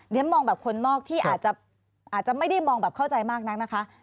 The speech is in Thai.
มองแบบคนนอกที่อาจจะไม่ได้มองแบบเข้าใจมากนักนะคะ